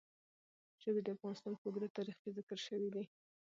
ژبې د افغانستان په اوږده تاریخ کې ذکر شوي دي.